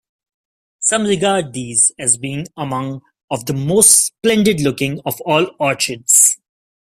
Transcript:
Some regard these as being among of the most splendid looking of all orchids.